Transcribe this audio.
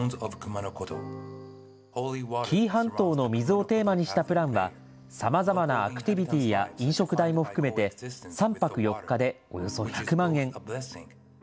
紀伊半島の水をテーマにしたプランは、さまざまなアクティビティや飲食代も含めて、３泊４日でおよそ１００万円。